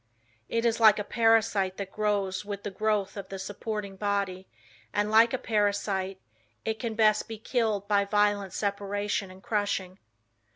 "It is like a parasite that grows with the growth of the supporting body, and, like a parasite, it can best be killed by violent separation and crushing.